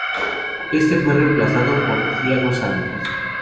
Este fue reemplazado por Thiago Santos.